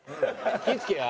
気ぃつけや。